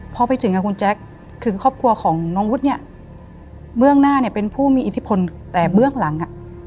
พอไปถึงอ่ะคุณแจ๊คถึงครอบครัวของน้องวุฒิเนี่ยเบื้องหน้าเนี่ยเป็นผู้มีอิทธิพลแต่เบื้องหลังอ่ะ